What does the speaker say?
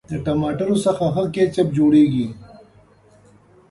د رومیانو څخه ښه کېچپ جوړېږي.